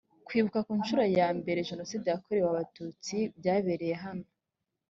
kwibuka ku nshuro yambere jenoside yakorewe abatutsi byabereye hano